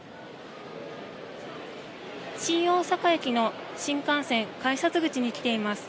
新大阪駅の新幹線改札口に来ています。